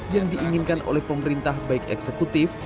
yang diinginkan oleh pemerintah baik eksekutif